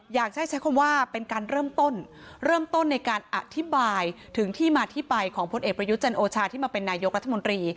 อยากใช้ใช้คำว่าเป็นการเริ่มต้นเริ่มต้นในการอธิบายถึงที่มาที่ไปของพลเอกประยุทธ์จันโอชาที่มาเป็นนายกรัฐมนตรี